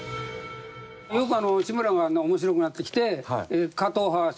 よく志村が面白くなってきて。